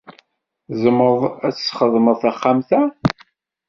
Tzemreḍ ad tessxedmeḍ taxxamt-a.